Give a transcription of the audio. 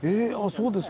そうですか。